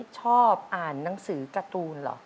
ชอบอ่านหนังสือการ์ตูนเหรอ